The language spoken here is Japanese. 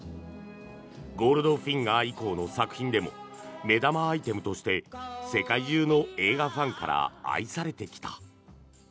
「ゴールドフィンガー」以降の作品でも目玉アイテムとして世界中の映画ファンから愛されてきた。